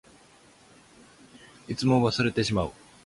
いつも忘れてしまう。